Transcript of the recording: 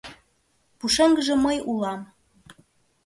Пушеҥгыже мый улам